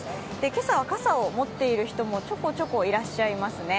今朝は傘を持っている人もちょこちょこいらっしゃいますね。